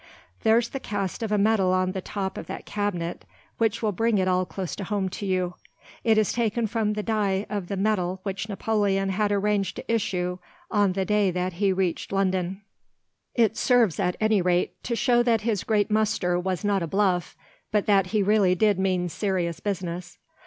There's the cast of a medal on the top of that cabinet which will bring it all close home to you. It is taken from the die of the medal which Napoleon had arranged to issue on the day that he reached London. It serves, at any rate, to show that his great muster was not a bluff, but that he really did mean serious business.